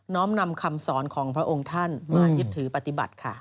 ้อมนำคำสอนของพระองค์ท่านมายึดถือปฏิบัติค่ะ